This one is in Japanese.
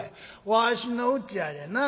わしのうちやでな。